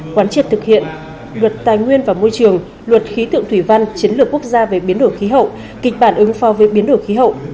quán triệt thực hiện luật tài nguyên và môi trường luật khí tượng thủy văn chiến lược quốc gia về biến đổi khí hậu kịch bản ứng pho với biến đổi khí hậu